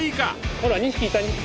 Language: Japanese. ほら２匹いた２匹！